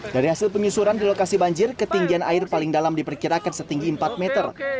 dari hasil penyusuran di lokasi banjir ketinggian air paling dalam diperkirakan setinggi empat meter